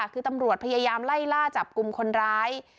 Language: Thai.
คือตำรวจพยายามไล่ล่าจับกลุ่มคนร้าย